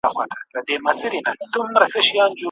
استاد د شاګرد د کار پرمختګ څنګه څاري؟